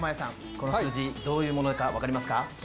この数字どういうものか分かりますか？